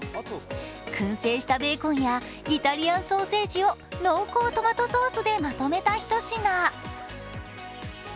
くん製したベーコンやイタリアンソーセージを濃厚トマトソースでまとめたひと品。